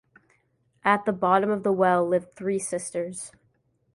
At the bottom of the well lived three sisters.